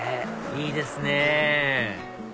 いいですね